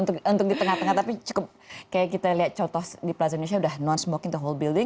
memang untuk di tengah tengah tapi cukup kayak kita lihat contoh di plaza indonesia sudah no smoking the whole building